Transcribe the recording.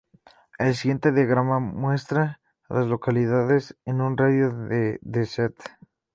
El siguiente diagrama muestra a las localidades en un radio de de St.